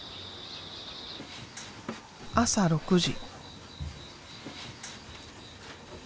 朝６時。